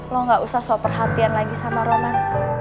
lo gak usah soal perhatian lagi sama roman